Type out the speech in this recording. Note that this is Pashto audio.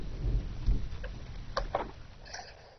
ازادي راډیو د د کار بازار د اغیزو په اړه مقالو لیکلي.